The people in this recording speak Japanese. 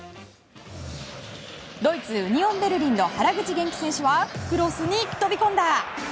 ドイツ、ウニオン・ベルリンの原口元気選手はクロスに飛び込んだ！